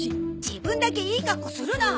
自分だけいいかっこするな！